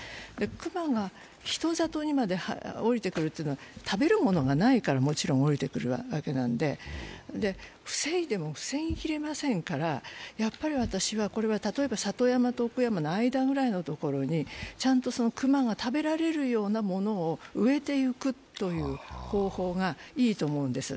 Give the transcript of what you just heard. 熊が人里にまで下りてくるのは食べるものがないからもちろん下りてくるわけなんで、防いでも防ぎきれませんから、これは、里山と奥山の間くらいのところにちゃんと熊が食べられるようなものを植えていくという方法がいいと思うんです。